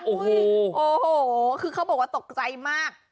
โอ้โหคือเขาบอกว่าตกใจมาก